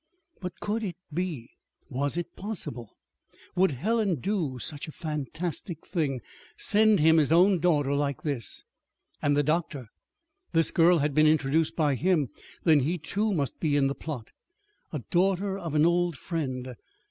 But could it be? Was it possible? Would Helen do such a fantastic thing send him his own daughter like this? And the doctor this girl had been introduced by him. Then he, too, must be in the plot. "A daughter of an old friend."